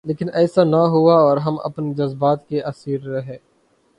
لیکن ایسا نہ ہوا اور ہم اپنے جذبات کے اسیر رہے۔